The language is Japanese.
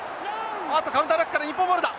あっとカウンターラックから日本ボールだ。